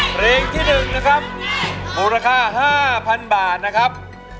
ปรุงราคา๕๐๐๐บาทครับ